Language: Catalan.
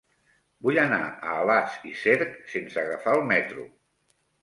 Vull anar a Alàs i Cerc sense agafar el metro.